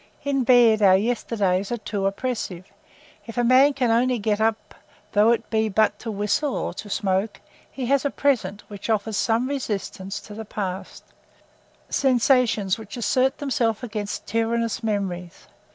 In bed our yesterdays are too oppressive: if a man can only get up, though it be but to whistle or to smoke, he has a present which offers some resistance to the past—sensations which assert themselves against tyrannous memories.